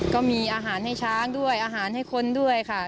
ก็มีอาหารให้ช้างด้วยอาหารให้คนด้วยค่ะ